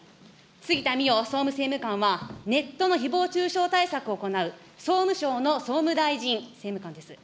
杉田水脈総務政務官はネットのひぼう中傷対策を行う、総務省の総務大臣政務官です。